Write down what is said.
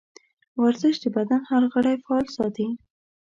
ورزش د بدن هر غړی فعال ساتي.